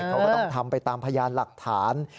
เขาก็ต้องทำไปตามพยานหลักฐาน